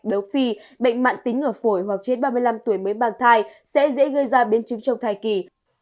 béo phì bệnh mạng tính ở phổi hoặc trên ba mươi năm tuổi mới mang thai sẽ dễ gây ra biến chứng trong thai kỳ